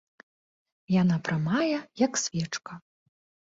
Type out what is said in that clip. Яна прамая, як свечка.